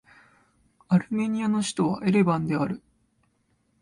アルメニアの首都はエレバンである